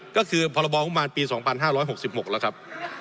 ก็คือพรบงบประมาณปี๒๕๖๖แล้วครับ